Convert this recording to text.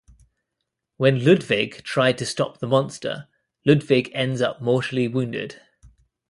When Ludwig tried to stop the Monster, Ludwig ends up mortally wounded.